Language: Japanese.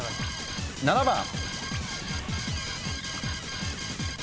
７番。